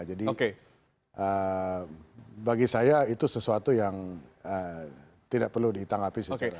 jadi bagi saya itu sesuatu yang tidak perlu ditanggapi secara resmi